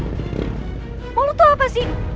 lo mau lo tau apa sih